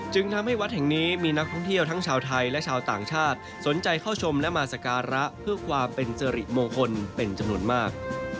จึงทำให้วัดแห่งนี้มีนักท่องเที่ยวทั้งชาวไทยและชาวต่างชาติสนใจเข้าชมและมาสการะเพื่อความเป็นจริมงคลเป็นจำนวนมาก